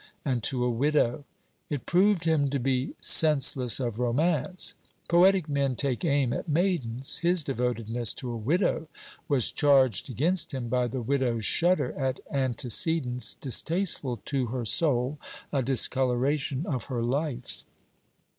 And to a widow! It proved him to be senseless of romance. Poetic men take aim at maidens. His devotedness to a widow was charged against him by the widow's shudder at antecedents distasteful to her soul, a discolouration of her life.